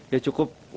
ya cukup menarik